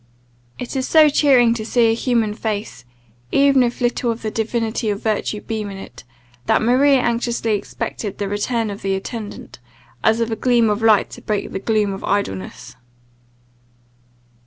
It is so cheering to see a human face, even if little of the divinity of virtue beam in it, that Maria anxiously expected the return of the attendant, as of a gleam of light to break the gloom of idleness.